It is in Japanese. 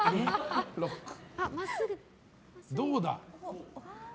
どうだ。